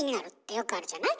よくあるじゃない？